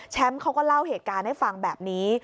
เขาก็เล่าเหตุการณ์ให้ฟังแบบนี้